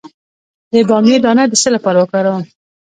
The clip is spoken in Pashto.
د بامیې دانه د څه لپاره وکاروم؟